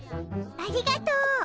ありがとう。